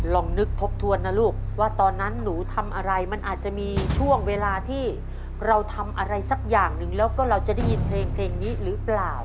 ลองนึกทบทวนนะลูกว่าตอนนั้นหนูทำอะไรมันอาจจะมีช่วงเวลาที่เราทำอะไรสักอย่างหนึ่งแล้วก็เราจะได้ยินเพลงนี้หรือเปล่า